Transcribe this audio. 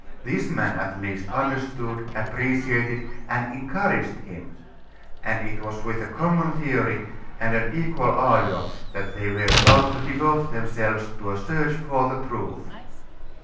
This man, at least, understood, appreciated, and encouraged him; and it was with a common theory and an equal ardor that they were about to devote themselves to a search for the truth.